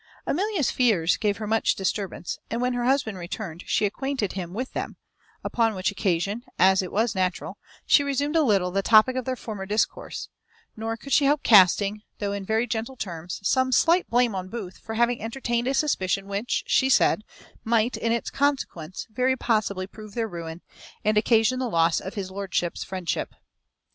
Amelia's fears gave her much disturbance, and when her husband returned she acquainted him with them; upon which occasion, as it was natural, she resumed a little the topic of their former discourse, nor could she help casting, though in very gentle terms, some slight blame on Booth for having entertained a suspicion which, she said, might in its consequence very possibly prove their ruin, and occasion the loss of his lordship's friendship.